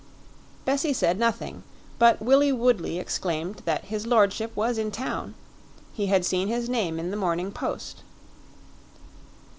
Bessie said nothing, but Willie Woodley exclaimed that his lordship was in town; he had seen his name in the Morning Post.